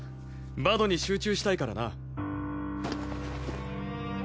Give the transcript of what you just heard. バドに集中したいからな。